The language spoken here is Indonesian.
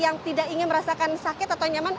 yang tidak ingin merasakan sakit atau nyaman